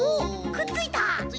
くっついた！